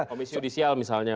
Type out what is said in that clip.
komisi judisial misalnya